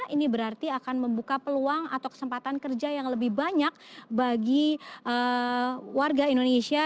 ini berarti akan membuka peluang atau kesempatan kerja yang lebih banyak bagi warga indonesia